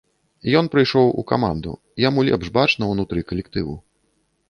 Ён прыйшоў у каманду, яму лепш бачна ўнутры калектыву.